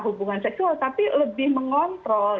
hubungan seksual tapi lebih mengontrol